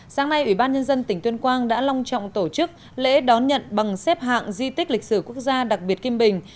sáng nay ủy ban nhân dân tỉnh tuyên quang đã long trọng tổ chức lễ đón nhận bằng xếp hạng di tích lịch sử quốc gia đặc biệt kim bình